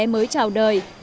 các bé mới trào đời